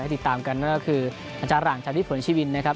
ให้ติดตามกันก็ก็คืออาจารย์หลังชาวลิฝนชีวินนะครับ